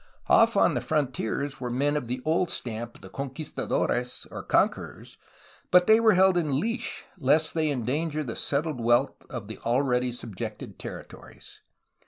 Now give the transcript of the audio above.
Off on the frontiers were men of the old stamp of the con quistadores, or conquerors, but they were held in leash lest they endanger the settled wealth of the already subjected territories.